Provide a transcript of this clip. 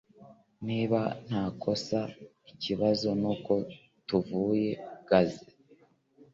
Niba ntakosa, ikibazo nuko tuvuye gaze.